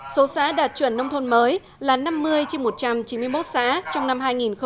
số xã đạt chuẩn nông thôn mới là năm mươi trên một trăm chín mươi một xã trong năm hai nghìn một mươi tám